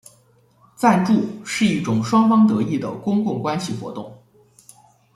赞助是一种双方得益的公共关系活动。